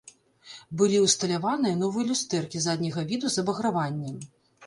Былі ўсталяваныя новыя люстэркі задняга віду з абаграваннем.